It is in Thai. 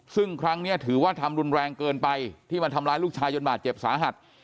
ซึ่งครั้งนี้ถือว่าทำรุนแรงเกินไปที่มันทำร้ายลูกชายจนบาดเจ็บสาหัส